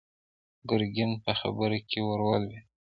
ګرګين په خبره کې ور ولوېد.